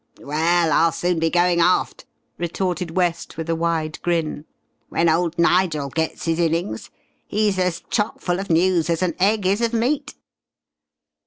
"Well, I'll soon be goin' aft," retorted West with a wide grin. "When old Nigel gets his innings. He's as chockful of news as an egg is of meat."